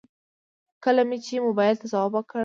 کله مې چې موبايل ته ځواب وکړ.